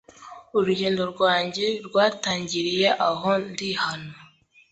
urugendo rwanjye rwajye rwatangiriye aho ndihana